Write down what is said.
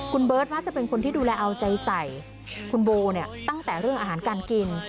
คุณเบิร์ตมักจะเป็นคนที่ดูแลเอาใจใส่คุณโบเนี่ยตั้งแต่เรื่องอาหารการกิน